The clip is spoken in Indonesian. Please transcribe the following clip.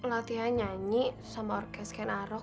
latihan nyanyi sama orkes ken arok